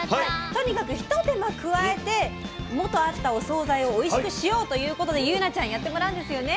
とにかく一手間加えて元あったお総菜をおいしくしようということで祐奈ちゃんやってもらうんですよね？